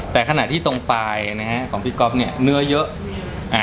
แต่ขณะที่ตรงปลายของพี่ก๊อฟเนื้อเยอะ